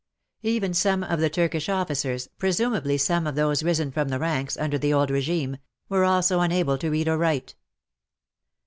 Even some of the Turkish officers — presumably some of those risen from the ranks, under the old regime — were also unable to read or write.